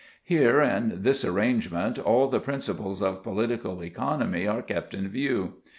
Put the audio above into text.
Here, in this arrangement, all the principles of political economy are kept in view.